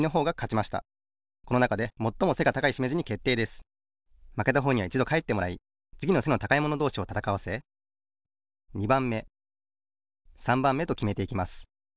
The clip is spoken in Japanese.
まけたほうにはいちどかえってもらいつぎの背の高いものどうしをたたかわせ２ばんめ３ばんめときめていきます。